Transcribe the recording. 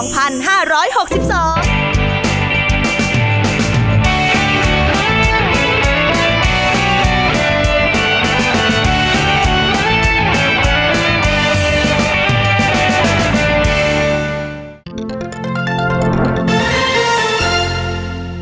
โปรดติดตามตอนต่อไป